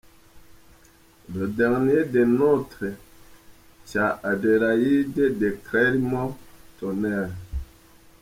Le Dernier des nôtres, cya Adélaïde de Clermont-Tonnerre.